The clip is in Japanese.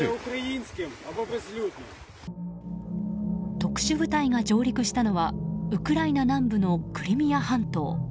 特殊部隊が上陸したのはウクライナ南部のクリミア半島。